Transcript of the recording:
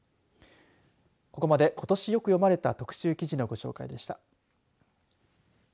ここまで、ことしよく読まれた特集記事のご紹介でした。